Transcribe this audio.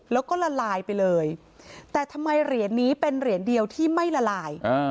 แล้วก็ละลายไปเลยแต่ทำไมเหรียญนี้เป็นเหรียญเดียวที่ไม่ละลาย